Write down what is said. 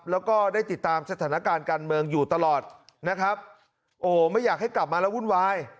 แล้วก็ได้ติดตามสถานการณ์การเมืองอยู่ตลอดนะครับโอ้ไม่อยากให้กลับมาแล้ววุ่นวาย